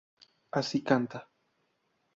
Así canta...